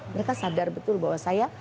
mereka sadar betul bahwa saya